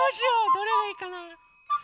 どれがいいかな。